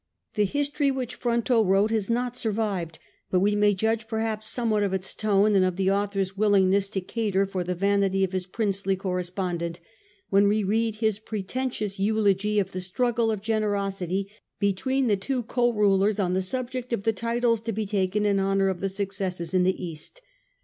The history which Fronto wrote has not survived ; but we may judge perhaps somewhat of its tone, and of the author's willingness to cater for the vanity of his princely corre spondent, when we read his pretentious eulogy of the struggle of generosity between the two co>rulers on the subject of the titles to be taken in honour of the successes in the East.